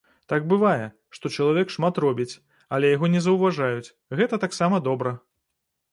Так бывае, што чалавек шмат робіць, але яго не заўважаюць, гэта таксама добра.